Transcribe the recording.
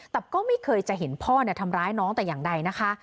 แต่ก็ไม่เคยจะเห็นพ่อทำร้ายน้องแต่อย่างใดนะคะ